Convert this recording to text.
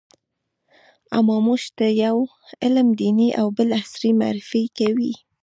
اما موږ ته يو علم دیني او بل عصري معرفي کوي.